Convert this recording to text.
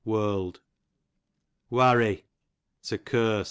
Warld, J Warry, to curse.